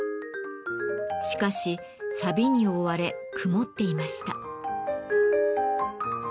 しかしさびに覆われ曇っていました。